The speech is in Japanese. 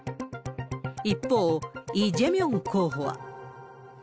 一方、イ・ジェミョン候補は。